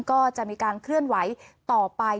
ก็จะมีการเคลื่อนไหวต่อไป